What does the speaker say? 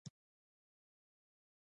مات قلم کار نه کوي.